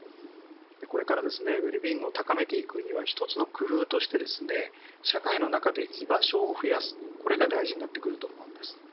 これからウェルビーイングを高めていくには１つの工夫として社会の中で居場所を増やすこれが大事になってくると思います。